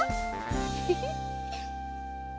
フフフッ。